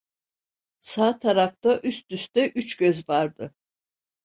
Sağ tarafta üst üste üç göz vardı.